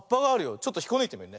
ちょっとひっこぬいてみるね。